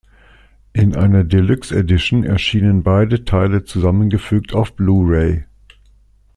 In einer "Deluxe Edition" erschienen beide Teile zusammengefügt auf Blu Ray.